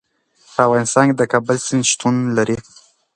په افغانستان کې د کابل سیند شتون لري.